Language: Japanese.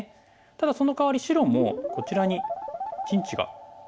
ただそのかわり白もこちらに陣地ができましたよね。